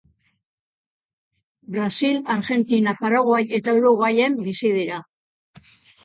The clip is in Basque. Brasil, Argentina, Paraguai eta Uruguain bizi dira.